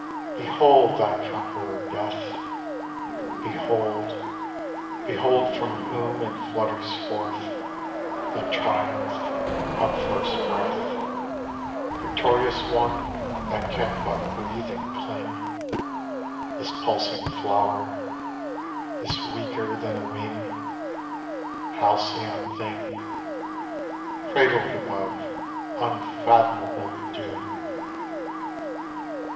Behold thy conqueror, Death! Behold, behold from whom It flutters forth, that triumph of First Breath, Victorious one that can but breathe and cling, This pulsing flower, this weaker than a wing, Halcyon thing! Cradled above unfathomable doom.